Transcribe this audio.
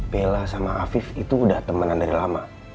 bella sama afif itu udah temenan dari lama